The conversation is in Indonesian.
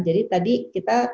jadi tadi kita